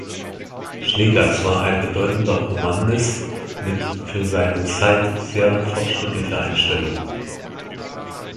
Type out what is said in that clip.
Schneegans war ein bedeutender Romanist mit für seine Zeit sehr fortschrittlicher Einstellung.